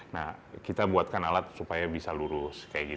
nah kita buatkan alat supaya bisa lurus